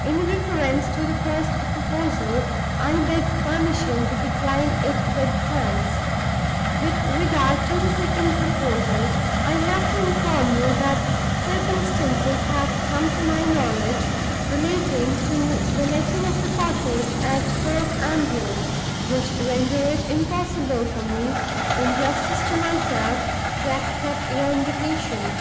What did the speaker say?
In reference to the first proposal, I beg permission to decline it with thanks. With regard to the second proposal, I have to inform you that circumstances have come to my knowledge relating to the letting of the cottage at Thorpe Ambrose which render it impossible for me (in justice to myself) to accept your invitation.